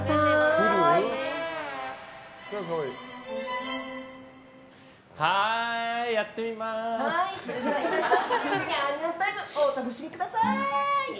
ニャンニャンタイムお楽しみください！